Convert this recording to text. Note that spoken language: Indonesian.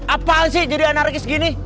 apaan sih jadi anarkis gini